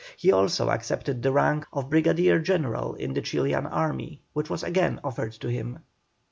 He also accepted the rank of Brigadier General in the Chilian army, which was again offered to him.